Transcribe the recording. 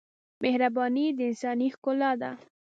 مهرباني د انسانۍ ښکلا ده.